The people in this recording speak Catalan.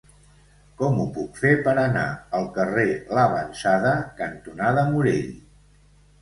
Com ho puc fer per anar al carrer L'Avançada cantonada Morell?